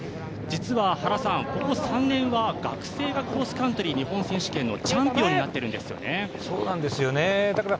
実はここ３年は学生がクロスカントリー日本選手権のチャンピオンになっているんですよね。